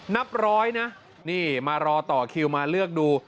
นับร้อยนะนี่มารอต่อคิวมาเลือกดู